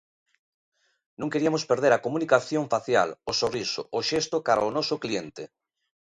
Non queriamos perder a comunicación facial, o sorriso, o xesto cara ao noso cliente.